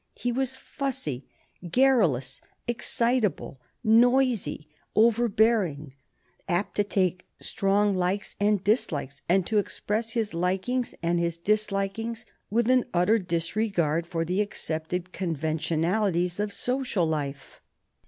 He was fussy, garrulous, excitable, noisy, overbearing, apt to take strong likes and dislikes and to express his likings and his dislikings with an utter disregard for the accepted conventionalities of social life.